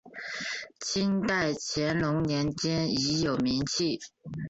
清代乾隆年间已有名气。